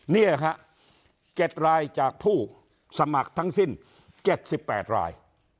นี่ฮะ๗รายจากผู้สมัครทั้งสิ้น๗๘ราย